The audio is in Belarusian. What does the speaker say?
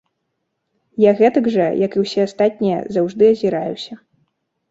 Я гэтак жа, як і ўсе астатнія, заўжды азіраюся.